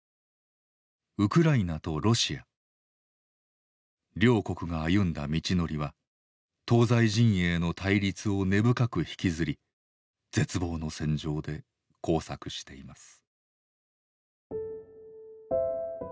ウクライナとロシア両国が歩んだ道のりは東西陣営の対立を根深く引きずり絶望の戦場で交錯しています。